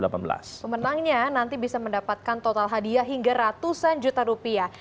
pemenangnya nanti bisa mendapatkan total hadiah hingga ratusan juta rupiah